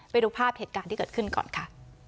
ไปดูภาพเหตุการณ์ที่เกิดขึ้นก่อนค่ะ